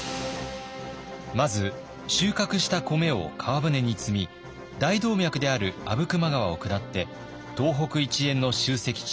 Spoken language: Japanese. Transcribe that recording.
まず収穫した米を川船に積み大動脈である阿武隈川を下って東北一円の集積地